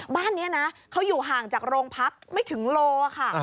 บ้านนี้นะเขาอยู่ห่างจากโรงพักไม่ถึงโลค่ะ